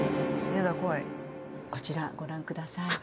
こちらご覧ください。